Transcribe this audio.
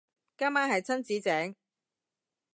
今晚係親子丼